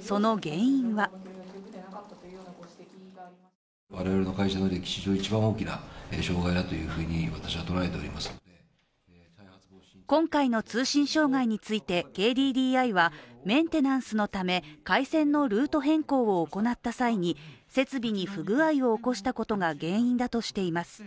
その原因は今回の通信障害についてＫＤＤＩはメンテナンスのため回線のルート変更を行った際に設備に不具合を起こしたことが原因だとしています。